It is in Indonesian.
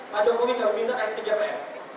pak jokowi kami minta seperti kjpr